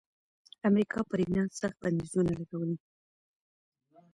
امریکا پر ایران سخت بندیزونه لګولي.